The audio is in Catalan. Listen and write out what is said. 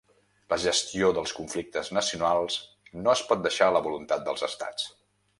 La gestió dels conflictes nacionals no es pot deixar a la voluntat dels estats.